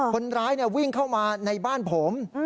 คนร้ายวิ่งเข้ามาในบ้านผม